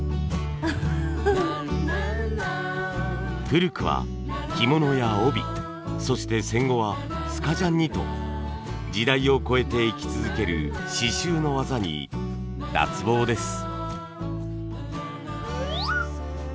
古くは着物や帯そして戦後はスカジャンにと時代を超えて生き続ける刺繍の技に脱帽です。